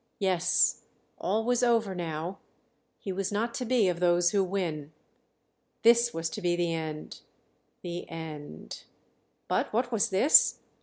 Yes, all was over now; he was not to be of those who win.... This was to be the end ... the end.... But what was this?